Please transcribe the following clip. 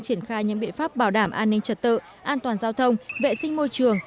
triển khai những biện pháp bảo đảm an ninh trật tự an toàn giao thông vệ sinh môi trường